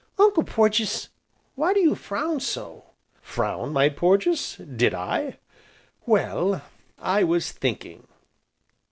"Uncle Porges why do you frown so?" "Frown, my Porges, did I? Well, I was thinking."